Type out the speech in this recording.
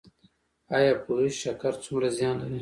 ایا پوهیږئ چې شکر څومره زیان لري؟